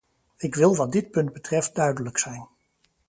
Ik wil wat dit punt betreft duidelijk zijn.